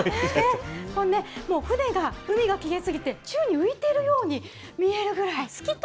もう舟が、海がきれいすぎて宙に浮いているように見えるぐらい。